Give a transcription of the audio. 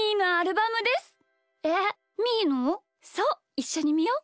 いっしょにみよう！